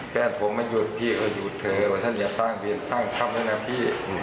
แฟนผมไม่หยุดพี่ก็หยุดเถอะท่านอย่าสร้างเวรสร้างธรรมให้นะพี่